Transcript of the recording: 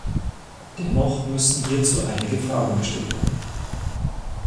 Dennoch müssen hierzu einige Fragen gestellt werden.